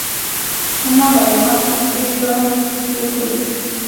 هماغه له مخې پرېکړه وکړي.